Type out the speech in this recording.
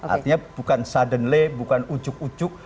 artinya bukan suddenly bukan ucuk ucuk